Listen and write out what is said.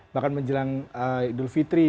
bahkan menjelang idul fitri